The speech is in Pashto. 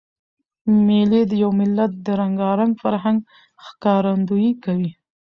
مېلې د یو ملت د رنګارنګ فرهنګ ښکارندویي کوي.